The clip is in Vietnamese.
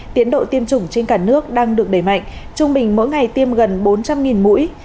tiến độ tiêm chủng trên cả nước đang được đẩy mạnh trung bình mỗi ngày tiêm gần bốn trăm linh mũi